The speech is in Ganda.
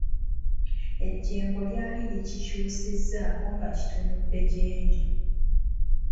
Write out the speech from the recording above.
Ejjengo lyali likikyusizzaako nga kitunudde gye ndi.